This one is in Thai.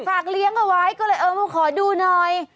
เลี้ยงเอาไว้ก็เลยเออมาขอดูหน่อย